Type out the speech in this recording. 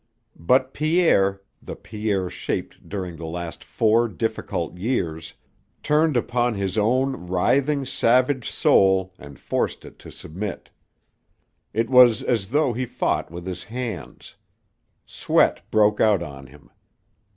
But Pierre, the Pierre shaped during the last four difficult years, turned upon his own writhing, savage soul and forced it to submit. It was as though he fought with his hands. Sweat broke out on him.